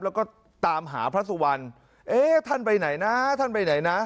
แล้วก็ตามหาพระสุวรรณเอ๊ท่านไปไหนนะท่านไปไหนนะ